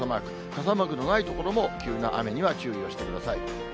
傘マークのない所も、急な雨には注意をしてください。